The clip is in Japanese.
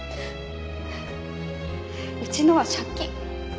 うちのは借金。